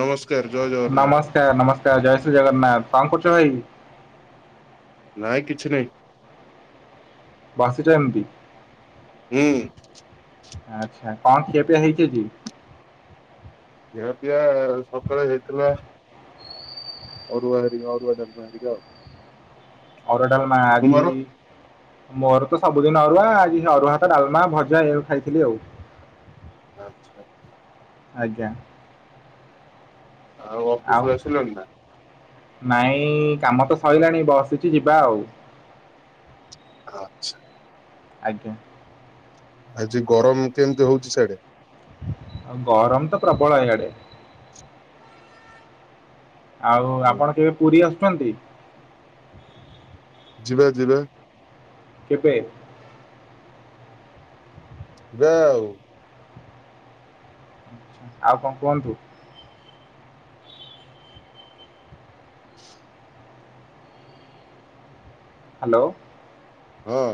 ନମସ୍କାର ଜୟ ଜଗନ୍ନାଥ। ସ୍କାର ନମସ୍କାର ଜୟ ଶ୍ରୀ ଜଗନ୍ନାଥ, କଣ କରୁଚନ୍ତି। ନାଇ କିଛି ନାଇଁ। ବସିଚନ୍ତି। ହୁଁ। ଆଚ୍ଛା କଣ ଖିଆପିଆ ହେଇଚି ଆଜି? ଖିଆ ପିଆ ସକାଳେ ହେଇଥିଲା। ଅରୁଆ ହେରି ଅରୁଆ ଡାଲମା ହେରିକା ଆଉ। ଅରୁଆ ଡାଲମା ଆଜି ତୁମର? ମୋର ତ ସବୁଦିନ ଅରୁଆ ଆଜି ଅରୁଆ ହାତ ଡାଲମା ଭଜା ଏଇଆ କୁ ଖାଇଥିଲି ଆଉ। ଆଚ୍ଛା। ଆଜ୍ଞା। ଆଉ ଅଫିସ୍ ରୁ ଆସିଲଣି ନା? ନାଇଁ କାମ ତ ସଇଲାଣି ବସିଚି ଯିବା ଆଉ। ଆଚ୍ଛା। ଆଜ୍ଞା। ଆଜି ଗରମ କେମିତି ହଉଚି ସିଆଡେ? ଆଉ ଗରମ ତ ପ୍ରବଳ ଏଇଆଡେ। ଆଉ ହୁଁ, ଆପଣ କେବେ ପୁରୀ ଆସୁଚନ୍ତି? ଯିବା ଯିବା। କେବେ? ଯିବା ଆଉ। ଆଚ୍ଛା। ଆଉ କଣ କୁହନ୍ତୁ? ହାଲୋ। ହଁ।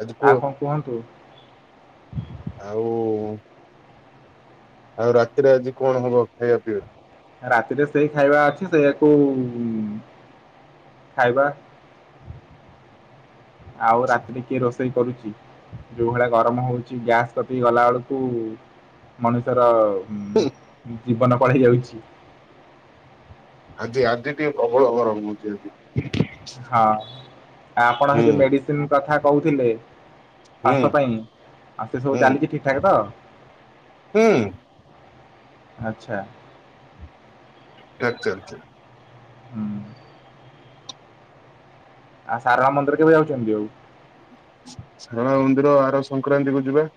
ଆଜି କୁହ ଆଉ କଣ କୁହନ୍ତୁ? ଆଉ ଉ ଆଉ ରାତିରେ ଆଜି କଣ ହବ ଖାଇବା ପିଇବା? ରାତିରେ ସେଇ ଖାଇବା ଅଛି ସେଇଆକୁ ଖାଇବା। ଆଉ ରାତିରେ କିଏ ରୋସ୍‌ ଷେଇ କରୁଚି ଯୋଉ ଭଳିଆ ଗରମ ହଉଚି ଗ୍ୟାସ୍ କତିକି ଗଲା ବେଳକୁ ମଣିଷର ହୁଁ। ଜୀବନ କଣ ହେଇ ଯାଉଚି। ଆଜି ଆଜି ଟିକେ ପ୍ରବଳ ଗରମ ହଉଚି ଆଜି। ହଁ ଆପଣ ହେ ହୁଁ ଯୋଉ ମେଡିସିନ କଥା କହୁଥିଲେ ହୁଁ ଖାସ ପାଇଁ ଆଉ ସେ ସବୁ ହୁଁ ଚାଲିଛି ଠିକ୍ ଠାକ୍ ତ? ହୁଁ। ଆଛା। ଆଛା ଆଛା। ହୁଁ। ଆଉ ସାରମା ମନ୍ଦିର କେବେ ଯାଉଚନ୍ତି ଆଉ? ସାରଳା ମନ୍ଦିର ଆର ସଂକ୍ରାନ୍ତି କୁ ଯିବା।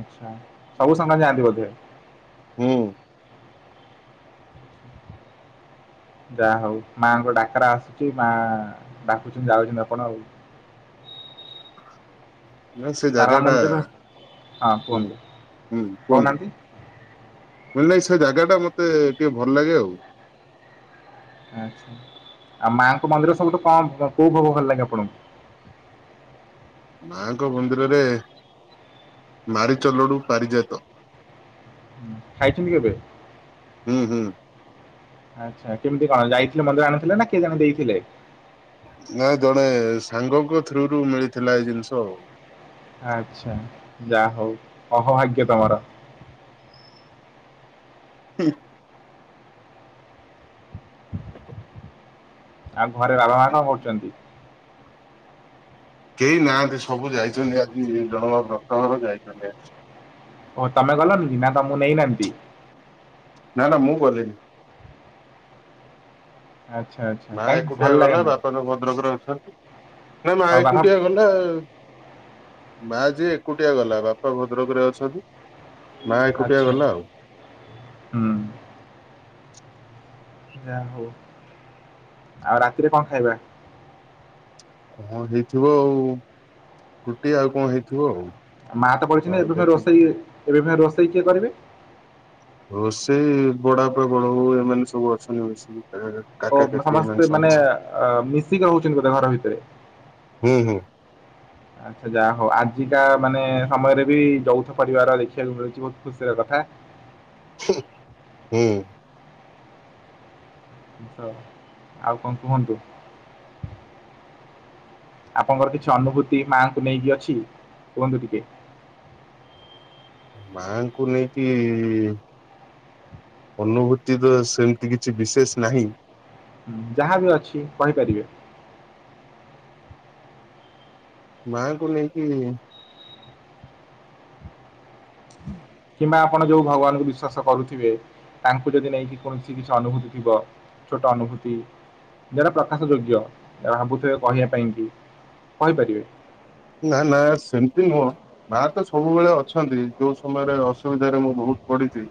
ଆଛା ସବୁ ସଂକ୍ରାନ୍ତି ଯାଆନ୍ତି ବୋଧେ। ହୁଁ। ଯାଆ ହଉ ମାଆଙ୍କ ଡାକେରା ଆସୁଚି ମା ଡାକୁଚନ୍ତି ଯାଉଚନ୍ତି ଆପଣ ଆଉ। ନା ସେ ସାରଳା ଜାଗା ଟା ମନ୍ଦିର ହଁ ହୁଁ କୁହନ୍ତୁ ହୁଁ କୁହନ୍ତୁ? କହୁନାହାନ୍ତି ମୁଅଇଲି ନାଇଁ ସେ ଜାଗା ଟା ମତେ ଟିକେ ଭଲ ଲାଗେ ଆଉ। ଆଛା ଆଉ ମାଆଙ୍କ ମନ୍ଦିର ସବୁଠୁ କଣ କୋଉ ଭୋଗ ଭଲ ଲାଗେ ଆପଣଙ୍କୁ? ମାଙ୍କ ମନ୍ଦିରରେ ମାରିଚଲଡୁ ପାରିଯାତ। ଖାଇଚନ୍ତି କେବେ? ହୁଁ ହୁଁ। ଆଛା କେମିତି କଣ ଯାଇଥିଲେ ମନ୍ଦିର ଆଣିଥିଲେ ନା କିଏ ଜଣେ ଦେଇଥିଲେ? ନାଇଁ ଜଣେ ସାଙ୍ଗଙ୍କ ଥ୍ରୁରୁ ମିଳିଥିଲା ଏଇ ଜିନିଷ ଆଉ। ଆଚ୍ଛା। ଯାହା ହଉ। ଅହଭାଗ୍ୟ ତମର। ହୁଁ। ଆଉ ଘରେ ବାବା ମା କଣ କରୁଚନ୍ତି? କେହି ନାହାନ୍ତି ସବୁ ଯାଇଚନ୍ତି ଆଜି ଜଣକ ବ୍ରତଘର ଯାଇଚନ୍ତି ଆଜି। କଣ ତମେ ଗଲନି କି ନା ତମକୁ ନେଇନାହାନ୍ତି? ନା ନା ମୁଁ ଗଲିନି। ଆଚ୍ଛା। ମା କାଇଁ ଏକୁଟିଆ ଭଲ ଗଲା ଲାଗେନା ବାପା ତ ଭଦ୍ରକରେ ଅଛନ୍ତି। ନା ମା ଆଉ ବାହା ଏକୁଟିଆ ଗଲା। ମା ଯିଏ ଏକୁଟିଆ ଗଲା। ବାପା ଭଦ୍ରକ ରେ ଅଛନ୍ତି। ମା ଏକୁଟିଆ ଆଚ୍ଛା ଗଲା ଆଉ ହୁଁ। ଯାହା ହଉ। ଆଉ ରାତିରେ କଣ ଖାଇବା? କଣ ହେଇଥିବ ଆଉ। ରୁଟି ଆଉ କଣ ହେଇଥିବ ଆଉ। ଆ ମା ତ ପଳେଛନ୍ତି ଆଉ ଏବେ ଦେଖି ରୋଷେଇ ଏବେ ପୁଣି ରୋଷେଇ କିଏ କରିବେ? ରୋଷେଇ ବଡବାପା ବଡ଼ବୋଉ ଏମାନେ ସବୁ ଅଛନ୍ତି ମିଶିକି। [unintelligible] ଓ ଏମାନେ ସମସ୍ତେ ସବୁ ମାନେ ମିଶିକି। ଅ ମିଶିକି ରହୁଛନ୍ତି ବୋଧେ ଘର ଭିତରେ? ହୁଁ ହୁଁ। ଆଚ୍ଛା ଯାହା ହଉ। ଆଜିକା ମାନେ ସମୟରେ ବି ଯୌଥ ପରିବାର ଦେଖିବାକୁ ମିଳୁଚି ବହୁତ ଖୁସିର କଥା। ହୁଁ। ଆଉ କଣ କୁହନ୍ତୁ? ଆପଣଙ୍କର କିଛି ଅନୁଭୂତି ମାଙ୍କୁ ନେଇକି ଅଛି? କୁହନ୍ତୁ ଟିକେ। ମାଙ୍କୁ ନେଇକି ଅନୁଭୂତି ତ ସେମିତି କିଛି ବିଶେଷ ନାହିଁ। ଯାହା ବି ଅଛି କହିପାରିବେ। ମା ଙ୍କୁ ନେଇକି କିମ୍ବା ଆପଣ ଯୋଉ ଭଗବାନଙ୍କୁ ବିଶ୍ଵାସ କରୁଥିବେ, ତାଙ୍କୁ ଯଦି ନେଇକି କୌଣସି କିଛି ଅନୁଭୂତି ଥିବ ଛୋଟ ଅନୁଭୂତି ଯଉଟା ପ୍ରକାଶ ଯୋଗ୍ୟ। ଭାବୁଥିବେ, କହିବା ପାଇଁ କି କହିପାରିବେ। ନା ନା ସେମତି ନୁହଁ। ମା ତ ସବୁବେଳେ ଅଛନ୍ତି। ଯୋଉ ସମୟରେ ଅସୁବିଧାରେ ମୁଁ ବହୁତ୍ ପଡିଚି।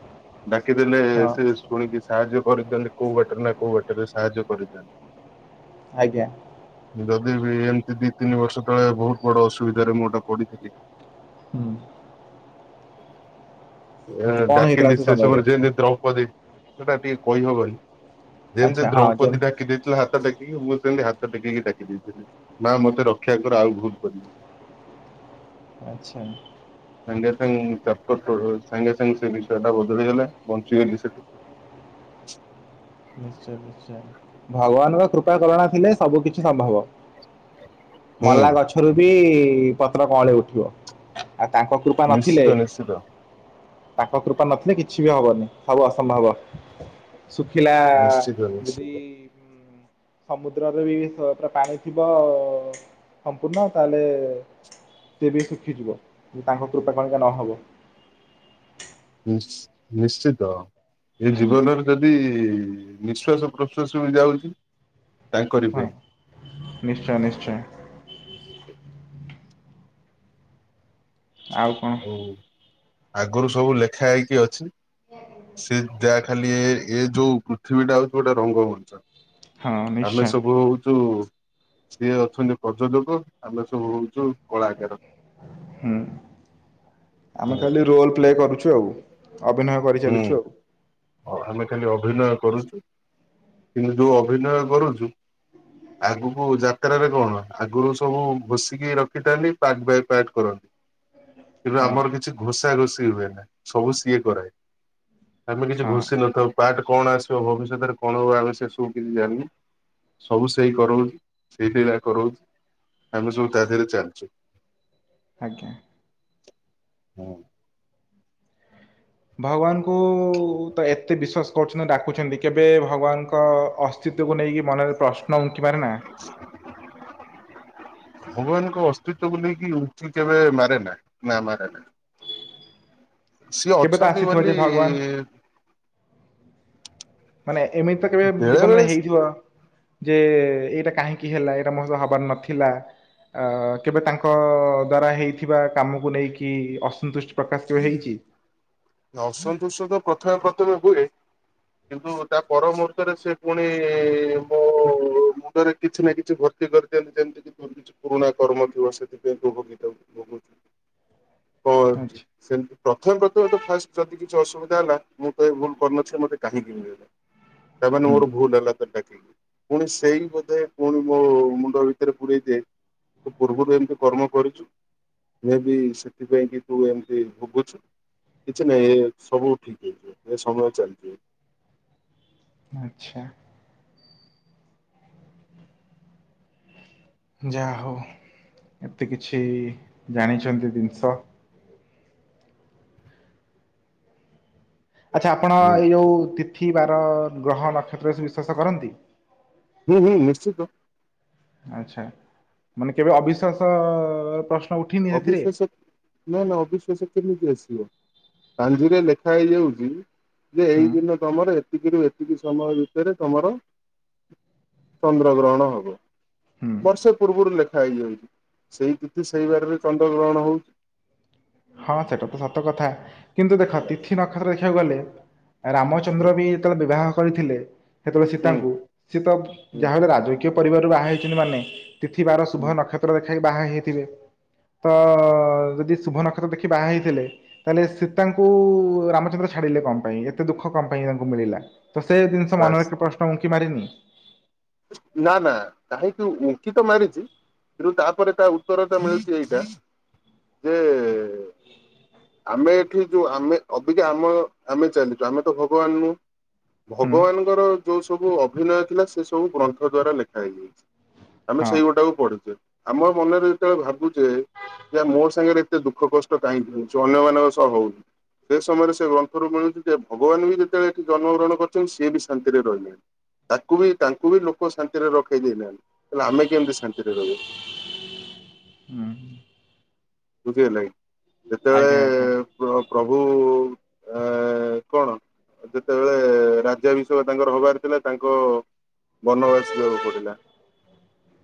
ଡାକିଦେଲେ, ହଁ ସେ ଶୁଣିକି ସାହାଯ୍ୟ କରିଦିଅନ୍ତି, କୋଉ ବାଟରେ ନା କୋଉ ବାଟରେ ସାହାଯ୍ୟ କରି ଦିଅନ୍ତି। ଆଜ୍ଞା। ଯଦି ବି ଏମତି ଦି ତିନି ବର୍ଷ ତଳେ ବହୁତ୍ ବଡ ଅସୁବିଧାରେ ମୁଁ ଗୋଟେ ପଡିଥିଲି ହୁଁ ଏ ଆଚ୍ଛା କଣ ହେଇଥିଲା ଡାକିଲି ସେ ସମୟରେ ଯେମତି ଦ୍ରୌପଦୀ, ସେଟା ଟିକେ କହି ହବନି। ଯେମିତି, ଆଚ୍ଛା ହଁ ଦ୍ରୌପଦୀ ଯେମ- ଡାକି ଦେଇଥିଲେ ହାତ ଟେ କିକି ମୁଁ ସେମିତି, ହାତ ଟେକି କି ଡାକି ଦେଇଥିଲି। ମା ମତେ ରକ୍ଷା କର, ଆଉ ଭୁଲ୍ କରିବିନି। ଆଚ୍ଛା। ସାଙ୍ଗେ ସାଙ୍ଗେ [unintelligible] ସାଙ୍ଗେ ସାଙ୍ଗେ, ସେ ବିଷୟ ଟା ବଦଳିଗଲା ବଞ୍ଚିଗଲି ସେଠୁ। ନିଶ୍ଚୟ, ନିଶ୍ଚୟ। ଭଗବାନଙ୍କ କୃପା କରୁଣା ଥିଲେ ସବୁ କିଛି ସମ୍ଭବ। ହୁଁ ମଲା ଗଛରୁ ବି ପତ୍ର କଅଁଳି ଉଠିବ। ଆଉ ତାଙ୍କ କୃ ପା ନିଶ୍ଚିତ ନଥିଲେ, ନିଶ୍ଚିତ ତାଙ୍କ କୃପା ନଥିଲେ କିଛି ବି ହବନି। ସବୁ ଅସମ୍ଭବ। ଥିଲା ନିଶ୍ଚିତ ନିଶ୍ଚିତ ଯଦି ସମୁଦ୍ରରେ ବି ସ ପୁରା ପାଣି ଥିବ ସମ୍ପୂର୍ଣ୍ଣ ତାହେଲେ ସେ ବି ଶୁଖିଯିବ। ତାଙ୍କ କୃପା [unintelligible] ନହବ। ନିଶ୍ ନିଶ୍ଚିତ। ଏ ହୁଁ ଜୀବନରେ ଯଦି ନିଶ୍ଵାସ, ପ୍ରଶ୍ଵାସ ବି ଯାଉଚି ହଁ। ନିଶ୍ଚୟ, ନିଶ୍ଚୟ। ହ [inaudible] ଆଉ କଣ? ହଉ। ଆଗରୁ ସବୁ ଲେଖା ହେଇକି ଅଛି। ସେ [unintelligible] ଖାଲି ଏ, ଏ ଯୋଉ ପୃଥିବୀଟା ହଉଛି ଗୋଟେ ରଙ୍ଗ ମଞ୍ଚ। ହଁ ଆମେ ନିଶ୍ଚୟ ସବୁ ହଉଚୁ ସିଏ ଅଛନ୍ତି ପ୍ରଯୋଜକ ଆମେ ସବୁ ହଉଚୁ। ହୁଁ। ଆମେ ହୁଁ ଖାଲି ରୋଲ ପ୍ଲେ କରୁଚୁ ଆଉ। ଅଭିନୟ କରିଚାଲିଚୁ ଆଉ। ହ ଆମେ ଖାଲି ଅଭିନୟ କରୁଚୁ କିନ୍ତୁ ଯୋଉ ଅଭିନୟ କରୁଚୁ। ଆଗକୁ ଯାତ୍ରାରେ କଣ, ଆଗରୁ ସବୁ ଘୋଷିକି ରଖିଥାନ୍ତି ପାର୍ଟ ବାଇ ପାର୍ଟ କରନ୍ତି। ହଁ [inaudible] କିନ୍ତୁ ଆମର କିଛି ଘୋଷା ଘୋଷି ହୁଏ ନା ସବୁ ସିଏ କରାଏ ଆମେ କିଛି ହଁ ଘୋଷି ନଥାଉ। ପାର୍ଟ କଣ ଆସିବ ଭବିଷ୍ୟତରେ କଣ ହବ ଆମେ ସେ ସବୁ କିଛି ଜାଣିନେ। ସବୁ ସେଇ କରଉଚି ସେଇ ଳିଲା କରଉଚି। ଆମେ ସବୁ ତା ଦେହରେ ଚାଲିଚୁ। ଆଜ୍ଞା। ହଁ। ଭଗବାନଙ୍କୁ ତ ଏତେ ବିଶ୍ୱାସ କରୁଛନ୍ତି ଡାକୁଛନ୍ତି କେବେ ଭଗବାନଙ୍କ ଅ ଅସ୍ତିତ୍ବ କୁ ନେଇକି ମନରେ ପ୍ରଶ୍ନ ଉଙ୍କି ମାରେ ନା। ଭଗବାନଙ୍କ ଅସ୍ତିତ୍ଵ କୁ ନେଇ କି ଉଙ୍କି କେବେ ମାରେ ନା, ନା ମାରେ ନା। ସିଏ କେବେ ତ ଅଛନ୍ତି ଆସିଥିବ ବୋଲି ଯେ ଭଗବାନ। ମାନେ ଏମିତି ତ କେବେ ବେଳେ ଜୀବନରେ ବେଳେ ହେଇଥିବ। ଯେ, ଏଇଟା କାହିଁକି ହେଲା ଏଇଟା ମୋ ସହ ହବାର ନଥିଲା। କେବେ ତାଙ୍କ ଦ୍ଵାରା ହେଇଥିବା କାମକୁ ନେଇକି ଅସନ୍ତୁଷ୍ଟି ପ୍ରକାଶ କେବେ ହେଇଚି। ଆସନ୍ତୁଷ୍ଟତ ପ୍ରଥମେ, ପ୍ରଥମେ ହୁଏ। କିନ୍ତୁ ତା ପରମୂହୁର୍ତ୍ତରେ ସେ ପୁଣି ମୋ ମୁଣ୍ଡରେ କିଛି ନା କିଛି ଭ ଭର୍ତ୍ତି କରିଦିଅନ୍ତି ଯେମିତିକି କିଛି ପୁରୁଣା କର୍ମ ଥିବ ସେଥିପାଇଁ ଉପଭୁଗ [inaudible] କଣ ଆଚ୍ଛା। ସେମିତି ପ୍ରଥମେ ପ୍ରଥମେ ତ। ଫାଷ୍ଟ ଯଦି କିଛି ଅସୁବିଧା ହେଲା ମୁଁ ତ ଏ ଭୁଲ କରିନଥିଲ ମୋତେ କାହିକି ଦେଲେ। ତାମାନେ ହୁଁ ମର ଭୁଲ ହେଲା। ପୁଣି ସେଇ ବୋଧେ ପୁଣି ମୋ ମୁଣ୍ଡ ଭିତରେ ପୁରେଇ ଦିଏ। ତୁ ପୂର୍ବରୁ ଏମତି କର୍ମ କରିଛୁ ମେ ବି ସେଥିପାଇଁ କି ତୁ ଏମିତି ଭୋଗୁଛୁ। କିଛି ନାଇଁ ଏ ସବୁ ଠିକ ହେଇଛିିବ ଏ ସମୟ ଚାଲିଯିବ। ଆଛା। ଯାହା ହଉ ଏତେ କିଛି ଜାଣିଛନ୍ତି ଜିନିଷ। ଆଚ୍ଛା ଆପଣ ହୁଁ ଏଇ ଯେଉଁ ତିଥି ବାର ଗ୍ରହ ନକ୍ଷତ୍ର ଏ ସବୁ ବିଶ୍ୱାସ କରନ୍ତି। ହୁଁ ହୁଁ ନିଶ୍ଚିତ। ଆଛା ମାନେ କେବେ ଅବିଶ୍ୱାସ ପ୍ରଶ୍- ଅବିଶ୍ୱାସ ନା ନା ଅବିଶ୍ୱାସ କେମିତି ଆସିବ। ପାଞ୍ଜିରେ ଲେଖା ହେଇଯାଉଛି। ଯେ ଏଇ ହୁଁ ଦିନ ତମର ଏତିକି ରୁ ଏତିକି ସମୟ ଭିତରେ ତମର। ଚନ୍ଦ୍ର ଗ୍ରହଣ ହବ। ହୁଁ ବର୍ଷେ ପୂର୍ବରୁ ଲେଖା ହେଇଯାଉଛି ସେଇ ତିଥି ସେଇ ବାରରେ ଚନ୍ଦ୍ର ଗ୍ରହଣ ହଉଛି। ହଁ ସେଟା ତ ସତ କଥା କିନ୍ତୁ ଦେଖ ବାସ୍। ତିଥି ନକ୍ଷତ୍ର ଦେଖିବାକୁ ଗଲେ। ହୁଁ ରାମଚନ୍ଦ୍ର ବି ଯେତେବେଳେ ବିବାହ କରିଥିଲେ ସେତେବେଳେ ହୁଁ ସୀତାଙ୍କୁ ସେ ତ ହୁଁ ଯାହାହେଲେ ରାଜ ପରିବାରରୁ ବାହା ହେଇଛନ୍ତି ମାନେ ତିଥିିବାର ହୁଁ ଶୁଭ ନକ୍ଷ ନତ୍ର ଦେଖାଇ ବାହା ହେଇଥିବେ ତ ଯଦି ଶୁଭ ନକ୍ଷତ୍ର ଦେଖି ବାହା ହେଇଥିଲେ। ତାହେଲେ ସୀତାଙ୍କୁ ରାମଚନ୍ଦ୍ର ଛାଡିଲେ କଣ ପାଇଁ ଏତେ ଦୁଃଖ କଣ ପାଇଁ ତାଙ୍କୁ ମିଳିଲା। ତ ସେ ଜିନିଷ ବାସ୍ ମନରେ ଏକ ପ୍ରଶ୍ନ ଉଙ୍କି ମାରିନି। ନା ନା କାହିଁକି ଉଙ୍କି ତ ମାରିଛି। କିନ୍ତୁ ତାପରେ ତା ଉତ୍ତର ତା ମିଳୁଛି ଏଇଟା ଯେ। ଆମେ ଏଠି ଯୋଉ ଆମେ ଅବିକା ଆମ ଆମେ ଚାଲିଛୁ ଆମେ ତ ଭଗବାନ ନୁ ହୁଁ ଭଗବାନଙ୍କର ଯୋଉ ସବୁ ଅଭିନୟ ଥିଲା ସେ ସବୁ ଗ୍ରନ୍ଥ ଦ୍ଵାରା ଲେଖା ହେଇଯାଇଛି। ଆମେ ହଁ ସେଇ ଗୋଟାକୁ ପଢୁଛେ ଆମ ମନରେ ଯେତେବେଳେ ଭାବୁଛେ। ଯେ ମୋ ସାଙ୍ଗରେ ଏତେ ଦୁଃଖ କଷ୍ଟ କାହିଁକି ହଉଛି ଅନ୍ୟମାନଙ୍କ ସହ ହଉନି। ସେ ସମୟରେ ସେ ଗ୍ରନ୍ଥରୁ ମିଳୁଛି ଯେ ଭଗବାନ ବି ଯେତେବେଳେ ଏଠି ଜନ୍ମଗ୍ରହଣ କରିଛନ୍ତି ସିଏ ବି ଶାନ୍ତିରେ ରହିନାହାନ୍ତି। ତାକୁ ବି ତାଙ୍କୁ ବି ଲୋକ ଶାନ୍ତିରେ ରଖେଇ ଦେଇନାହାନ୍ତି ତାଲେ ଆମେ କେମିତି ଶାନ୍ତିରେ ରହିବା। ହୁଁ। ବୁଝି ହେଲାକି ଯେତେବେଳେ ଆଜ୍ଞା ଆଜ୍ଞା ପ ପ୍ରଭୁ ଆ କଣ ଯେତେବେ ତେବେଳେ ରାଜ୍ୟାଭିଷେକ ତାଙ୍କର ହବାର ଥିଲା ତାଙ୍କ ବନବାସ ଯିବାକୁ ପଡିଲା।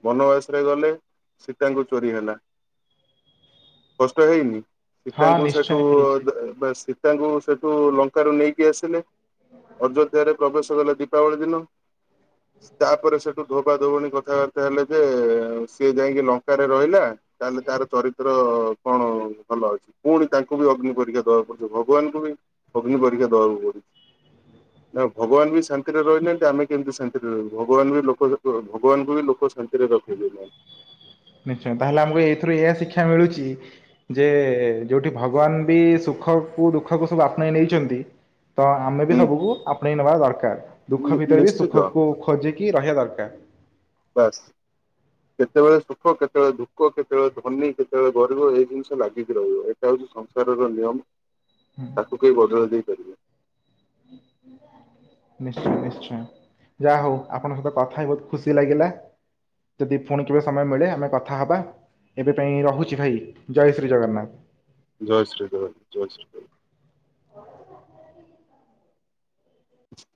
ବନବାସ ରେ ଗଲେ ସୀତାଙ୍କୁ ଚୋରି ହେଲା। କଷ୍ଟ ହେଇନି ହଁ ସୀତାଙ୍କୁ ନିଶ୍ଚୟ ସେଠୁ ଅ ହେଇଛି ଦେ ବା ସୀତାଙ୍କୁ ସେଠୁ ଲଙ୍କାରୁୁ ନେଇକି ଆସିଲେ। ଅଯୋଧ୍ୟାରେ ପ୍ରବେଶ କଲେ ଦୀପାବଳି ଦିନ। ହଁ ତାପରେ ସେଠୁ ଧୋବା ଧୋବଣୀ କଥାବାର୍ତ୍ତା ହେଲେ ଯେ ସିଏ ଯାଇକି ଲଙ୍କାରେ ରହିଲା ତାହେଲେ ତାର ଚରିତ୍ର କଣ ଭ ଭଲ ଅଛି ପୁଣି ତାଙ୍କୁ ବି ଅଗ୍ନି ପରୀକ୍ଷା ଦବାକୁ ପଡୁଛି ଭଗବାନଙ୍କୁ ବି ଅଗ୍ନି ପରୀକ୍ଷା ଦେବାକୁ ପଡୁଛି। ହୁଁ ନା ଭଗବାନ ବି ଶାନ୍ତିରେ ରହିନାହାନ୍ତି ଆମେ କେମିତି ଶାନ୍ତିରେ ରହିବୁ ଭଗବାନ ବି ଲୋକ ଯେ କ ଭଗବାନଙ୍କୁ ବି ଲୋକ ଶାନ୍ ରେ ରଖେଇ ଦେଉନାହାନ୍ତି। ନିଶ୍ଚୟ ତାହେଲେ ଆମକୁ ଏଇଥିରୁ ଏୟା ଶିକ୍ଷା ମିଳୁଛି ଯେ ଯୋଉଠି ଭଗବାନ ବି ସୁଖକୁ ଦୁଃଖକୁ ସବୁ ଆପଣେଇ ନେଇଛନ୍ତି। ତ ଆମେ ବି ସବୁକୁ ଆପଣେଇ ନବା ଦରକାର ଦୁଃଖ ହୁଁ ଭିତରେ ବି ନିଶ୍ଚିତ ସୁଖକୁ ଖୋଜିକି ରହିବା ଦରକାର। ବାସ୍। କେତେବେଳେ ସୁଖ କେତେବେଳେ ଦୁଃଖ କେତେବେଳେ ଧନୀ କେତେବେଳେ ଗରିବ ଏଇ ଜିନିଷ ଲାଗିକି ରହିବ ଏ ଟା ହଉଛି ସଂସାରର ନିୟମ ତାକୁ କେହି ବଦଳାଇ ଦେଇପାରିବେନି। [inaudible] ନିଶ୍ଚୟ ନିଶ୍ଚୟ ଯାହା ହଉ ଆପଣଙ୍କ ସହିତ କଥା ହେଇ ବହୁତ ଖୁସି ଲାଗିଲା। ଯଦି ଫୁଣି କେବେ ସମୟ ମିଳେ ଆମେ କଥାହବା। ଏବେ ପାଇଁ ରହୁଛି ଭାଇ ଜୟ ଶ୍ରୀ ଜଗନ୍ନାଥ। ଜୟ ଶ୍ରୀ ଜଗ ଜୟ ଶ୍ରୀ ଜଗ [inaudible]